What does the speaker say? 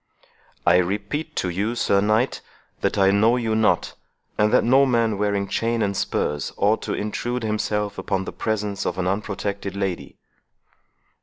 "I repeat to you, Sir Knight, that I know you not, and that no man wearing chain and spurs ought thus to intrude himself upon the presence of an unprotected lady."